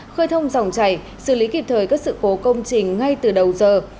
khơi thông dòng chảy xử lý kịp thời các sự cố công trình ngay từ đầu giờ